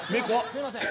すいません。